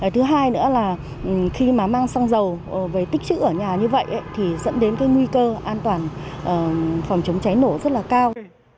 thứ hai nữa là khi mà mang xăng dầu về tích chữ ở nhà như vậy thì dẫn đến cái nguy cơ an toàn phòng chống cháy nổ rất là cao